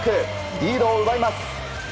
リードを奪います。